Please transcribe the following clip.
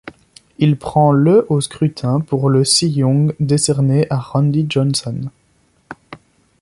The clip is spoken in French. Il prend le au scrutin pour le Cy Young, décerné à Randy Johnson.